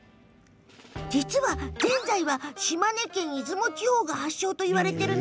実は、島根県出雲地方が発祥といわれているの。